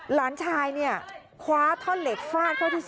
หลานชายเนี้ยคว้าท่อนเหล็กฟ้าน